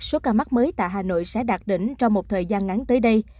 số ca mắc mới tại hà nội sẽ đạt đỉnh trong một thời gian ngắn tới đây